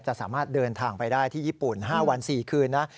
จะสามารถเดินทางไปได้ที่ญี่ปุ่น๕วัน๔คืนนะ